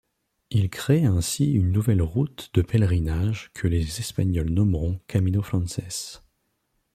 Il crée ainsi une nouvelle route de pèlerinage que les Espagnols nommeront Camino francés.